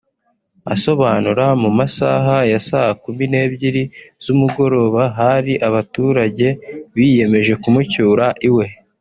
Asobanura mu masaha ya saa kumi n’ebyiri z’umugoroba hari abaturage biyemeje kumucyura iwe